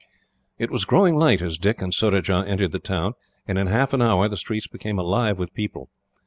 It was growing light as Dick and Surajah entered the town, and in half an hour the streets became alive with people.